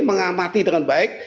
mengamati dengan baik